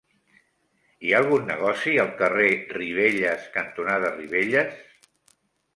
Hi ha algun negoci al carrer Ribelles cantonada Ribelles?